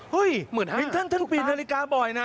เฮ้ยเหมือนท่านท่านปีนนาฬิกาบ่อยน่ะ